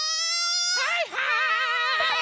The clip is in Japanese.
はいはい！